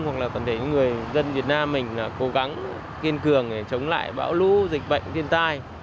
hoặc là toàn thể người dân việt nam mình cố gắng kiên cường chống lại bão lũ dịch bệnh thiên tai